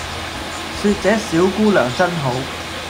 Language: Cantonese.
說這小姑娘真好